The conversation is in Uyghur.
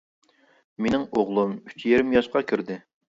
مېنىڭ ئوغلۇم ئۈچ يېرىم ياشقا كىردى.